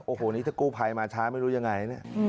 โอ้โฮนี่ถ้ากูภายมาช้าไม่รู้ยังไง